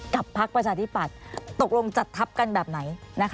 พักประชาธิปัตย์ตกลงจัดทัพกันแบบไหน